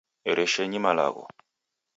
Ereshenyi malagho